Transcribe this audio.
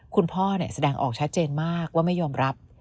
แสดงออกชัดเจนมากว่าไม่ยอมรับ